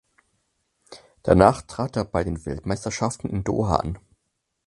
Danach trat er bei den Weltmeisterschaften in Doha an.